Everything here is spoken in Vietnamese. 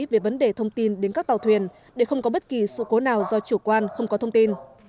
về vấn đề thông tin đến các tàu thuyền để không có bất kỳ sự cố nào do chủ quan không có thông tin